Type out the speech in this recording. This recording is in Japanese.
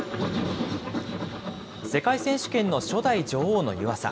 世界選手権の初代女王の湯浅。